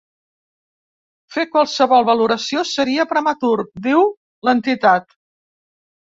Fer qualsevol valoració seria prematur, diu l’entitat.